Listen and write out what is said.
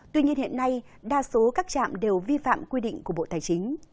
tuy nhiên hiện nay đa số các trạm đều vi phạm quy định của bộ tài chính